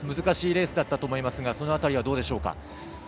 難しいレースだったと思いますがその辺りはどうでしょうか？